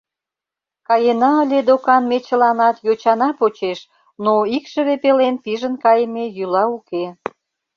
Каена ыле докан ме чыланат йочана почеш, но икшыве пелен пижын кайыме йӱла уке.